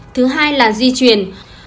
thứ hai là di truyền